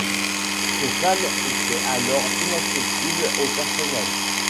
Ces salles étaient alors inaccessibles au personnel.